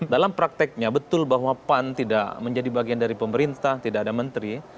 dalam prakteknya betul bahwa pan tidak menjadi bagian dari pemerintah tidak ada menteri